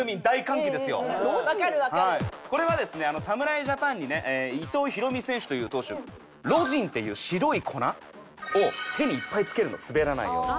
これはですね侍ジャパンにね伊藤大選手という投手ロジンっていう白い粉を手にいっぱい付けるの滑らないように。